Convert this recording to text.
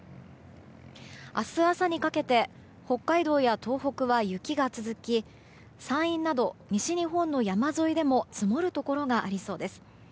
明日朝にかけて北海道や東北は雪が続き山陰など西日本の山沿いでも積もるところがありそうです。